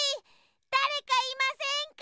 だれかいませんか！